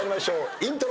イントロ。